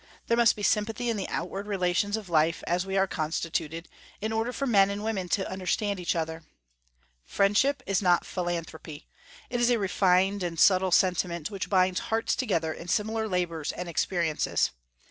There must be sympathy in the outward relations of life, as we are constituted, in order for men and women to understand each other. Friendship is not philanthropy: it is a refined and subtile sentiment which binds hearts together in similar labors and experiences.